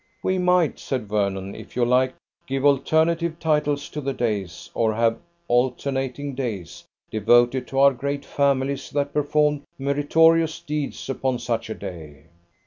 "We might," said Vernon, "if you like, give alternative titles to the days, or have alternating days, devoted to our great families that performed meritorious deeds upon such a day."